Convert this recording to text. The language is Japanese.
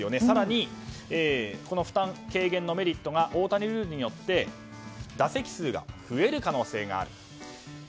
更に、この負担軽減のメリットがオオタニルールによって打席数が増える可能性がある。